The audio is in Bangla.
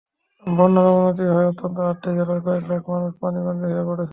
বন্যার অবনতি হওয়ায় অন্তত আটটি জেলার কয়েক লাখ মানুষ পানিবন্দী হয়ে পড়েছে।